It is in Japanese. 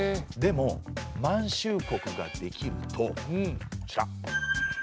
でも満州国ができるとこちら。